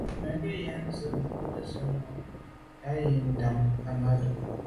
Mə́ gə̀ yɔ̌ŋ yə́ mû' nsî vwá mə̀ yə́ á ndǎ' Ahmadou.